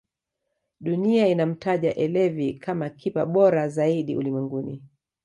dunia inamtaja elevi kama kipa bora zaidi ulimwenguni